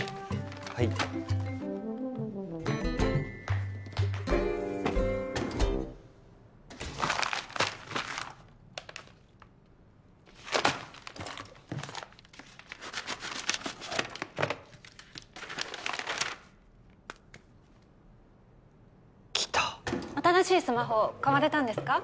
はい来た新しいスマホ買われたんですか？